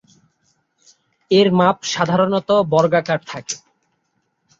এর মাপ সাধারণত বর্গাকার থাকে।